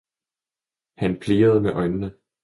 han plirede med øjnene.